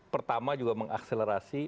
pertama juga mengakselerasi